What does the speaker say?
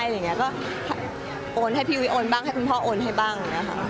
แล้วก็โอนให้พี่โอนบ้างให้คุณพ่อโอนให้บ้าง